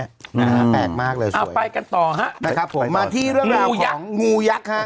นะฮะแปลกมากเลยเอาไปกันต่อฮะนะครับผมมาที่เรื่องงูยักษ์งูยักษ์ฮะ